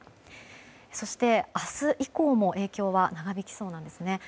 そして、明日以降も影響は長引きそうなんですね。